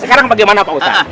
sekarang bagaimana pak ustadz